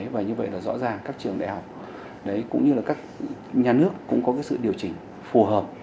và như vậy là rõ ràng các trường đại học cũng như là các nhà nước cũng có sự điều chỉnh phù hợp